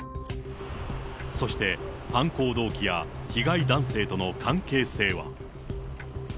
そして犯行動機や被害男性との関係性は。